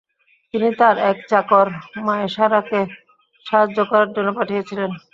তিনি তার এক চাকর মায়সারাকে সাহায্য করার জন্য পাঠিয়েছিলেন।